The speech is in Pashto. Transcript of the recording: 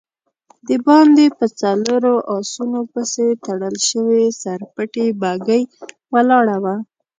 د باندی په څلورو آسونو پسې تړل شوې سر پټې بګۍ ولاړه وه.